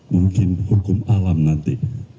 mungkin hukum alam nanti